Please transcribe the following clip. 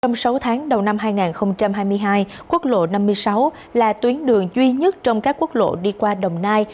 trong sáu tháng đầu năm hai nghìn hai mươi hai quốc lộ năm mươi sáu là tuyến đường duy nhất trong các quốc lộ đi qua đồng nai